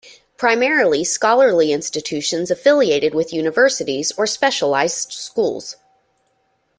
Primarily scholarly institutions affiliated with universities or specialized schools.